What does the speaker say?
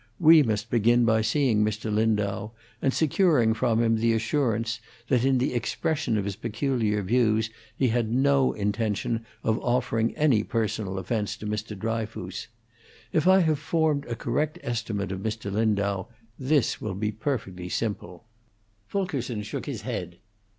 We must begin by seeing Mr. Lindau, and securing from him the assurance that in the expression of his peculiar views he had no intention of offering any personal offence to Mr. Dryfoos. If I have formed a correct estimate of Mr. Lindau, this will be perfectly simple." Fulkerson shook his head.